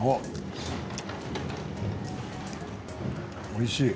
おいしい。